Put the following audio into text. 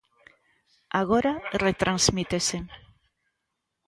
Agora retransmítese.